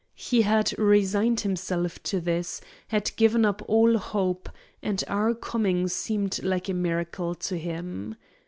He had resigned himself to this, had given up all hope, and our coming seemed like a miracle to him.